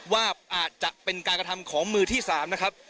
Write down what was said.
ว่าอาจจะเป็นการกระทำของมือที่๓นะครับ